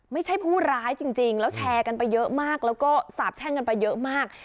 ไม่ใช่ผู้ร้ายจริงแล้วแชอกันเปรอเยอะมากแล้วก็สาบแชลกันเปรอเยอะมาก